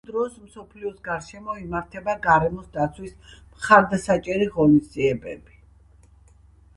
ამ დღეს მსოფლიოს გარშემო იმართება გარემოს დაცვის მხარდასაჭერი ღონისძიებები.